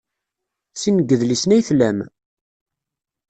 Sin n yidlisen ay tlam?